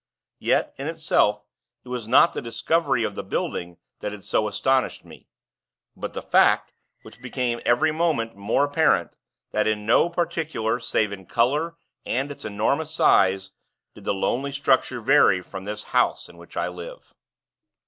Yet, in itself, it was not the discovery of the building that had so astonished me; but the fact, which became every moment more apparent, that in no particular, save in color and its enormous size, did the lonely structure vary from this house in which I live.